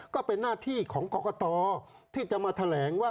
ก็เป็นหน้าที่ของกรกตที่จะมาแถลงว่า